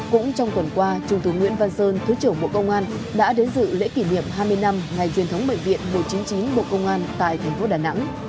cũng trong tuần qua trung tướng nguyễn văn sơn thứ trưởng bộ công an đã đến dự lễ kỷ niệm hai mươi năm ngày truyền thống bệnh viện một trăm chín mươi chín bộ công an tại thành phố đà nẵng